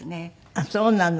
あっそうなの。